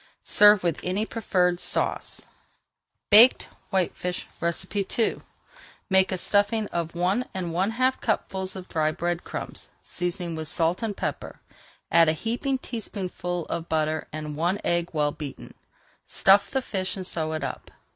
Serve with any preferred sauce. BAKED WHITEFISH II Make a stuffing of one and one half cupfuls of dry bread crumbs, seasoning with salt and pepper. Add a heaping tablespoonful of butter and one egg well beaten. Stuff the fish and sew it up.